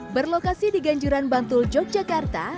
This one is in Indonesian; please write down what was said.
berlokasi di ganjuran bantul yogyakarta